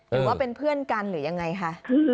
หรือว่าเป็นเพื่อนกันหรือยังไงคะ